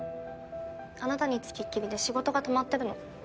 あなたに付きっきりで仕事が溜まってるの。